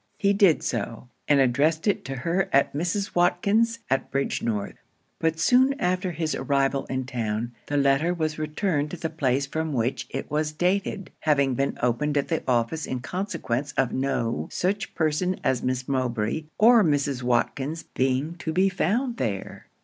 He did so; and addressed it to her at Mrs. Watkins's, at Bridgenorth: but soon after his arrival in town, the letter was returned to the place from which it was dated; having been opened at the office in consequence of no such person as Miss Mowbray or Mrs. Watkins being to be found there.